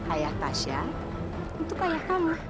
ayah tasya untuk ayah kamu